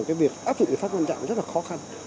cái việc áp dụng lý pháp quan trọng rất là khó khăn